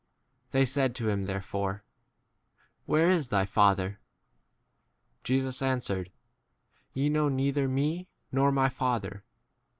They said to him therefore, Where is thy Father ? Jesus answered, Ye know neither me nor my Father.